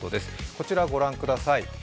こちらご覧ください。